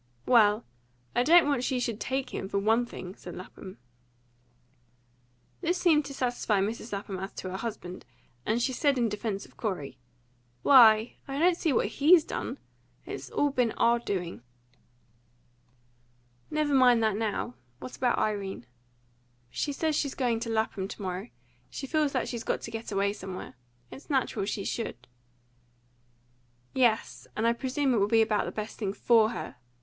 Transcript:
"Well, I don't want she should take him, for ONE thing," said Lapham. This seemed to satisfy Mrs. Lapham as to her husband, and she said in defence of Corey, "Why, I don't see what HE'S done. It's all been our doing." "Never mind that now. What about Irene?" "She says she's going to Lapham to morrow. She feels that she's got to get away somewhere. It's natural she should." "Yes, and I presume it will be about the best thing FOR her.